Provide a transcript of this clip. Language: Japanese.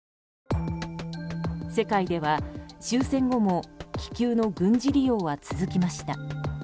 世界では、終戦後も気球の軍事利用は続きました。